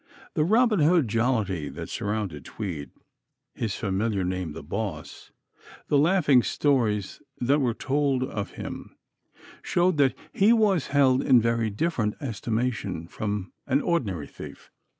The Robin Hood jollity that surrounded Tweed, his familiar name, the "Boss," the laughing stories that were told of him, showed that he was held in very different estimation from an ordinary thief.